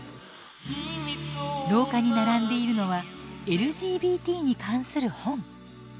廊下に並んでいるのはＬＧＢＴに関する本。